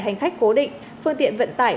hành khách cố định phương tiện vận tải